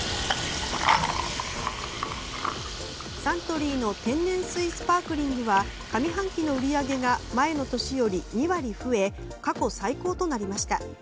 サントリーの天然水スパークリングは上半期の売り上げが前の年より２割増え過去最高となりました。